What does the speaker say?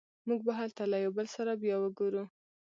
موږ به هلته له یو بل سره بیا وګورو